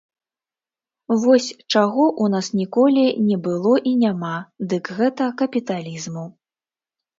Вось чаго ў нас ніколі не было і няма, дык гэта капіталізму.